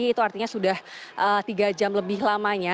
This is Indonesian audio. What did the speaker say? itu artinya sudah tiga jam lebih lamanya